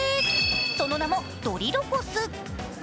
その名も、ドリロコス。